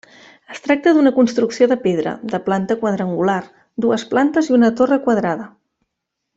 Es tracta d'una construcció de pedra, de planta quadrangular, dues plantes i una torre quadrada.